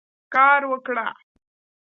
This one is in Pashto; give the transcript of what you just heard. کار وکړه.